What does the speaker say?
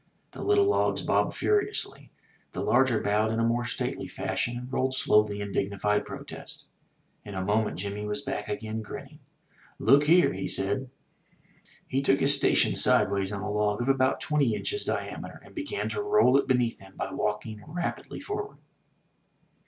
The little logs bobbed furiously; the larger bowed in more stately fashion and rolled slowly in dignified protest. In a moment Jimmy was back again, grinning. ''Look here," said he. He took his station sideways on a log of about twenty inches diameter, and began to roll it beneath him by walking rapidly forward.